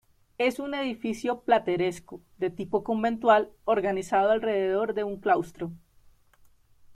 Es un edificio plateresco, de tipo conventual, organizado alrededor de un claustro.